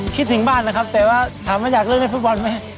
คิดถึงบ้านนะครับแต่ว่าถามว่าอยากเล่นในฟุตบอลไหม